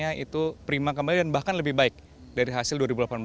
jadi kita bisa menerima kembali bahkan lebih baik dari hasil dua ribu delapan belas